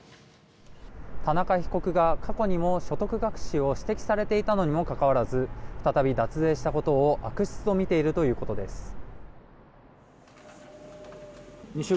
田中被告が過去にも所得隠しを指摘されていたのにもかかわらず再び脱税したことを悪質とみているということです。